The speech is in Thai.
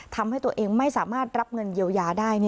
ทำให้ตัวเองไม่สามารถรับเงินเยียวยาได้